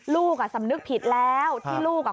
ลูกอ่ะสำนึกผิดแล้วที่ลูกอ่ะ